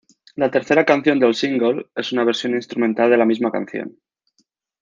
La tercera canción del single, es una versión instrumental de la misma canción.